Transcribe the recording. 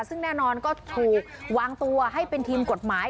ซึ่งแน่นอนก็ถูกวางตัวให้เป็นทีมกฎหมาย